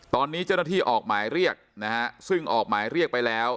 ตอนนี้เจ้าหน้าที่ออกหมายเรียกนะฮะซึ่งออกหมายเรียกไปแล้ว